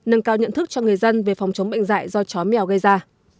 nâng cao nhận thức cho người dân về phòng chống bệnh dạy do chó mèo gây ra